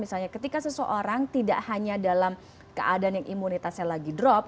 misalnya ketika seseorang tidak hanya dalam keadaan yang imunitasnya lagi drop